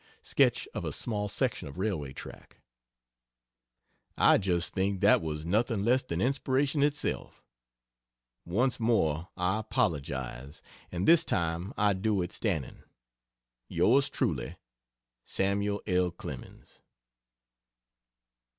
[Sketch of a small section of railway track.] I just think that was nothing less than inspiration itself. Once more I apologize, and this time I do it "stanning!" Yrs. Truly SAML. L. CLEMENS.